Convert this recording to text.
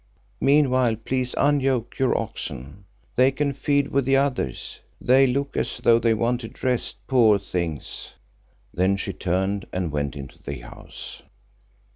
Meanwhile please unyoke your oxen. They can feed with the others; they look as though they wanted rest, poor things." Then she turned and went into the house.